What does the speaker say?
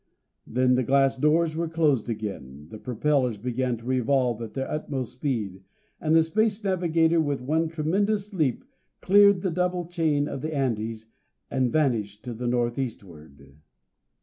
Then the glass doors were closed again, the propellers began to revolve at their utmost speed, and the Space Navigator with one tremendous leap cleared the double chain of the Andes and vanished to the north eastward.